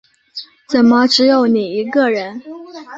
怎么只有你一个人